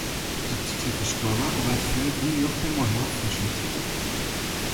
De tydlike skoalle waard freed ynrjochte mei help fan sa'n tritich âlden.